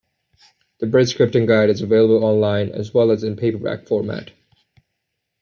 The Bridge scripting guide is available online as well as in paperback format.